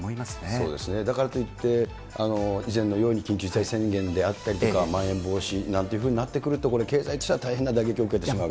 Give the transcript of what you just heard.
そうですね、だからといって、以前のように緊急事態宣言であったりとか、まん延防止なんていうふうになってくると、これ経済としては、大変な打撃を受けてしま